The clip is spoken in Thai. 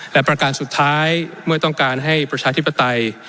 และประการสุดท้ายเมื่อต้องการให้ประชาธิปไตย